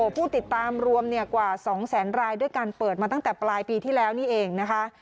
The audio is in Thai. ผู้ติดตามรวมกว่า๒แสนรายด้วยการเปิดมาตั้งแต่ปลายปีที่แล้วนี่เองนะคะ